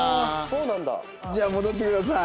じゃあ戻ってください。